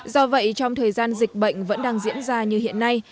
do vậy trong thời gian dịch bệnh vẫn đang diễn ra như hiện nay